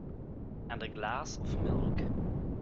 And a glass of milk.